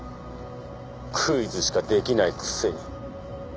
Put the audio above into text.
クイズしかできないくせに。